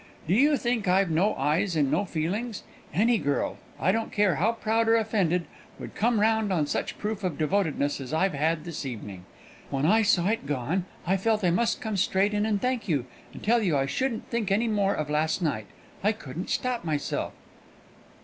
Do you think I've no eyes and no feelings? Any girl, I don't care how proud or offended, would come round on such proof of devotedness as I've had this evening. When I saw it gone, I felt I must come straight in and thank you, and tell you I shouldn't think any more of last night. I couldn't stop myself."